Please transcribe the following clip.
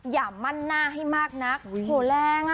อย่ามั่นหน้าให้มากนักโหแรงอ่ะ